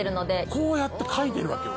こうやって描いてるわけよ